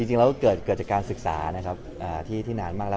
ก็จริงแล้วก็เกิดจากการศึกษาที่นานมากแล้ว